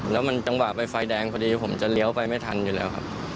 แล้วมันจังหวะไปไฟแดงพอดีผมจะเลี้ยวไปไม่ทันอยู่แล้วครับ